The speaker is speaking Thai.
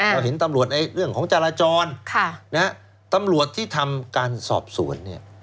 พอเห็นตำรวจในเรื่องของจราจรตำรวจที่ทำการสอบสวนเนี่ย